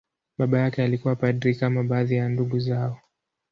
Baba yake alikuwa padri, kama baadhi ya ndugu zao.